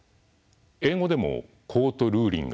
英語でも「コート・ルーリング」